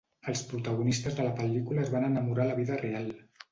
Els protagonistes de la pel·lícula es van enamorar a la vida real.